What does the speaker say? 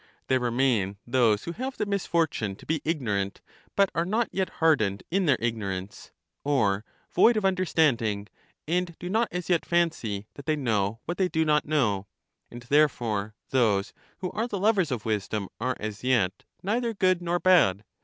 There remain those who have the misfortune to be ignorant, but are not yet hardened in their ignorance, or void of under standing, and do not as yet fancy that they know what they do not know : and therefore those who are the lovers of wisdom are as yet neither good nor bad.